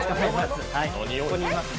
ここにいますよね。